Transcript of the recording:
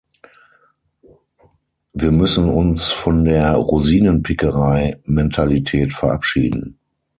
Wir müssen uns von der "Rosinenpickerei"Mentalität verabschieden.